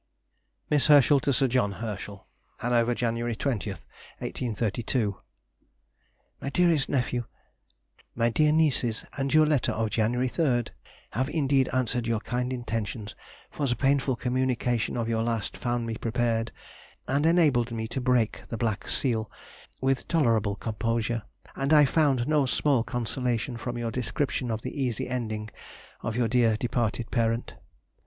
MISS HERSCHEL TO SIR JOHN HERSCHEL. HANOVER, Jan. 20, 1832. MY DEAREST NEPHEW,— My dear niece's and your letter of January 3rd, have indeed answered your kind intentions, for the painful communication of your last found me prepared, and enabled me to break the black seal with tolerable composure, and I found no small consolation from your description of the easy ending of your dear departed parent.